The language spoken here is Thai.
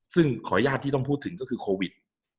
ซึ่งขออนุญาตที่ต้องพูดถึงก็คือโควิด